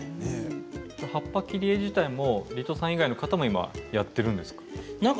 葉っぱ切り絵自体もリトさん以外の方もやっているんですか？